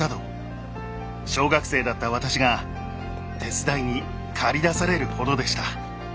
小学生だった私が手伝いに駆り出されるほどでした。